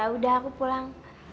ya udah aku pulang